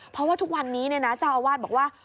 เพราะว่าทุกวันนี้เจ้าอาวาสบอกว่า